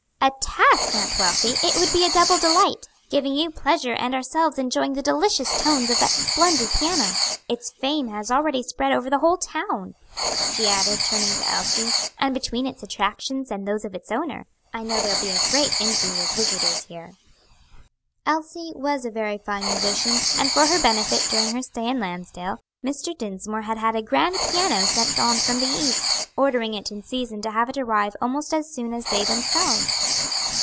"A task, Aunt Wealthy! It would be a double delight giving you pleasure and ourselves enjoying the delicious tones of that splendid piano. Its fame has already spread over the whole town," she added, turning to Elsie, "and between its attractions and those of its owner, I know there'll be a great influx of visitors here." Elsie was a very fine musician, and for her benefit during her stay in Lansdale, Mr. Dinsmore had had a grand piano sent on from the East, ordering it in season to have it arrive almost as soon as they themselves.